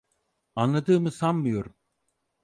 Anladığımı sanmıyorum.